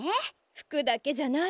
服だけじゃない。